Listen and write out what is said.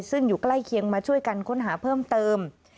ซึ่งอยู่ใกล้เคียงมาช่วยกันค้นหาเพิ่มเติม